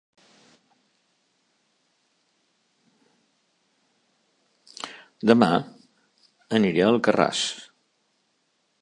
Dema aniré a Alcarràs